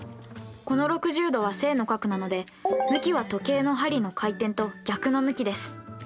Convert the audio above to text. この６０°は正の角なので向きは時計の針の回転と逆の向きです。